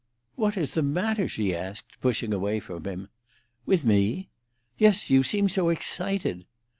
"What is the matter?" she asked, pushing away from him. "With me?" "Yes; you seem so excited."